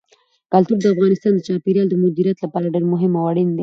کلتور د افغانستان د چاپیریال د مدیریت لپاره ډېر مهم او اړین دي.